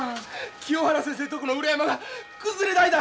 清原先生のとこの裏山が崩れだいた！